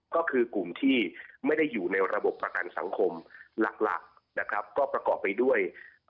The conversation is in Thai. ก็คือกลุ่มที่ไม่ได้อยู่ในระบบประกันสังคมหลักนะครับก็ประกอบไปด้วย